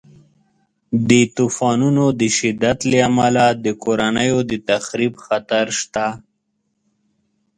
د طوفانونو د شدت له امله د کورنیو د تخریب خطر شته.